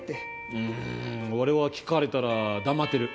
うん俺は聞かれたら黙ってる。